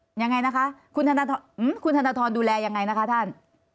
ยังไงนะคะคุณธนทรดูแลยังไงนะคะท่าน